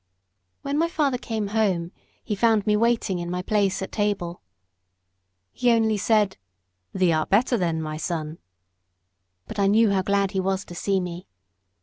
When my father came home he found me waiting in my place at table. He only said, "Thee art better then, my son?" But I knew how glad he was to see me.